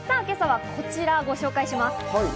今朝はこちらをご紹介します。